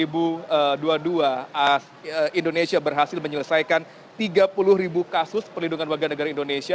bahwa indonesia berhasil menyelesaikan tiga puluh kasus pelindungan warga negara indonesia